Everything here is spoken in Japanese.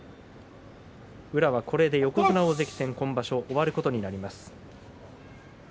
宇良はこれで横綱大関戦今場所終わることになります。